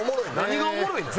何がおもろいねん。